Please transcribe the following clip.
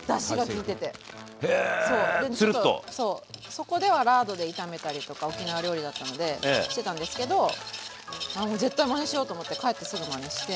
そこではラードで炒めたりとか沖縄料理だったのでしてたんですけどあもう絶対マネしようと思って帰ってすぐマネして。